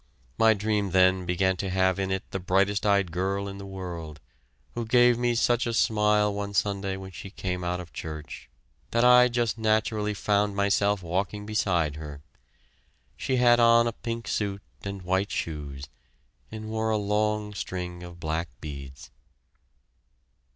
My dream then began to have in it the brightest eyed girl in the world, who gave me such a smile one Sunday when she came out of church... that I just naturally found myself walking beside her.... She had on a pink suit and white shoes, and wore a long string of black beads...